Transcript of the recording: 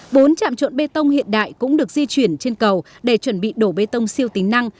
bốn trạm trộn bê tông hiện đại cũng được di chuyển trên cầu để chuẩn bị đổ bê tông siêu tính năng